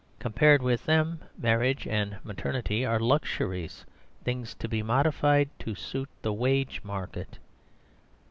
Compared with them marriage and maternity are luxuries, things to be modified to suit the wage market.